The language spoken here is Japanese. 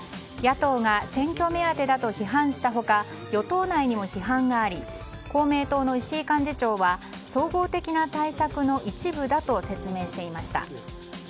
野党が選挙目当てだと批判した他与党内にも批判があり公明党の石井幹事長は総合的な対策の一部だと説明していました。